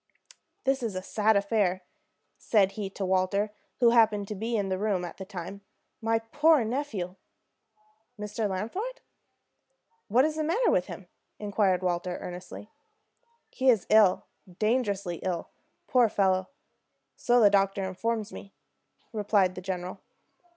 "This is a sad affair," said he to Walter, who happened to be in the room at the time. "My poor nephew!" "Mr. Lafond? What is the matter with him?" inquired Walter, earnestly. "He is ill, dangerously ill, poor fellow, so the doctor informs me," replied the general.